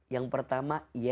yang pertama yes